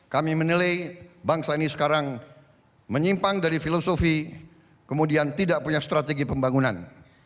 kami menilai bangsa ini sekarang menyimpang dari filosofi kemudian tidak punya strategi pembangunan